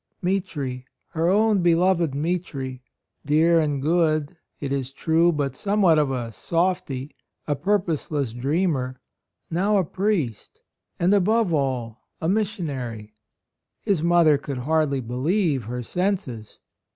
Mitri, her own beloved Mitri — dear and good, it is true, but somewhat of a "softy," a pur poseless dreamer, — now a priest, and above all a missionary! His mother could hardly believe her senses.